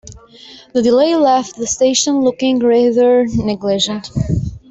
The delay left the station looking rather neglected.